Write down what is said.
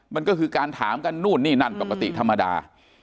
มันก็คือการถามกันนู่นนี่นั่นปกติธรรมดา